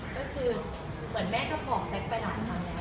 ก็คือเหมือนแม่ก็บอกแซ็คไปหลายทางแล้ว